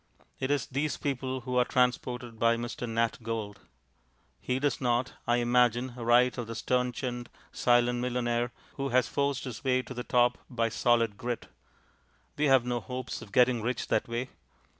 It is these people who are transported by Mr. Nat Gould. He does not (I imagine) write of the stern chinned, silent millionaire who has forced his way to the top by solid grit; we have no hopes of getting rich that way.